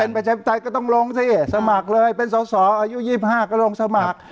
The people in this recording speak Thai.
ถ้าเป็นประชาธิปไตยก็ต้องลงสมัครเลยเป็นสาวอายุ๒๕ก็ลงสมัคร